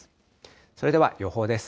それでは予報です。